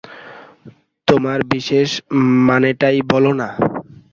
তোমার বিশেষ মানেটাই বলো-না।